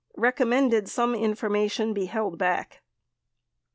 Recommended some information be held back.